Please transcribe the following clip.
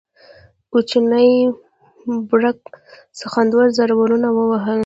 کوچني برګ سخوندر زورونه وهل.